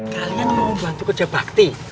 kalian mau bantu kerja bakti